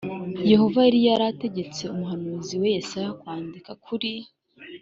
yehova yari yarategetse umuhanuzi we yesaya kwandika kuri